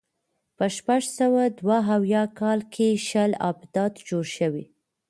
په شپږ سوه دوه اویا کال کې شل ابدات جوړ شوي.